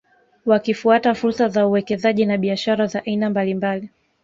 Wakifuata fursa za uwekezaji na biashara za aina mbalimbali